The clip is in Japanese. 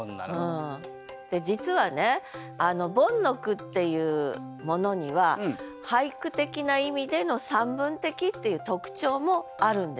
実はねボンの句っていうものには俳句的な意味での散文的っていう特徴もあるんですよ。